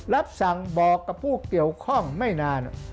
รับสั่งบอกกับผู้เกี่ยวข้องไม่นาน